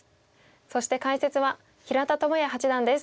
そして解説は平田智也八段です。